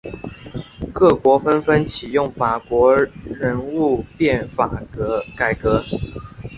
各国纷纷启用法家人物变法改革。